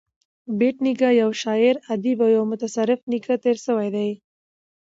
بېټ نیکه یو شاعر ادیب او یو متصرف نېکه تېر سوى دﺉ.